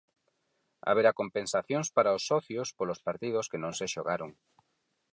Haberá compensacións para os socios polos partidos que non se xogaron.